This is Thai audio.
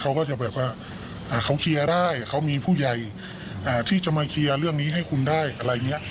เขาก็จะแบบว่าเขาเคลียร์ได้เขามีผู้ใหญ่ที่จะมาเคลียร์เรื่องนี้ให้คุณได้อะไรอย่างนี้